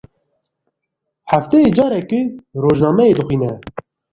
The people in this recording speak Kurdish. Hefteyê carekê rojnameyê dixwîne.